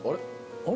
あれ？